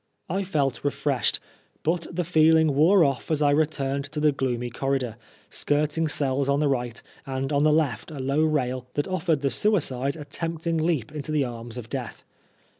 I felt refreshed, but the feeling wore ofE as I returned to the gloomy corridor, skirting cells on the right, and on the left a low rail that offered the suicide a tempting leap into the arms of Death.